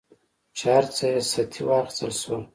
چې هر څه یې سطحي واخیستل شول.